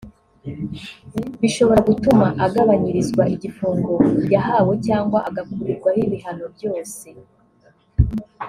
bishobora gutuma agabanyirizwa igifungo yahawe cyangwa agakurirwaho ibihano byose